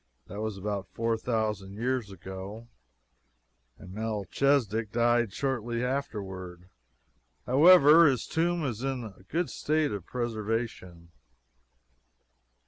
That was about four thousand years ago, and Melchisedek died shortly afterward. However, his tomb is in a good state of preservation.